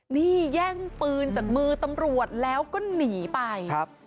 นี่แย่งปืนจากมือตำรวจแล้วก็หนีไปครับ